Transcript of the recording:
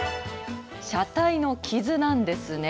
車体の傷なんですね。